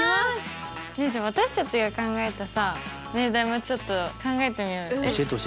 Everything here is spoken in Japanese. じゃあ私たちが考えたさ命題もちょっと考えてみようよ。